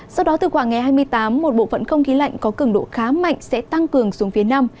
sau đó từ khoảng ngày hai mươi tám một bộ phận không khí lạnh có cứng độ khá mạnh sẽ tăng cường xuống phía nam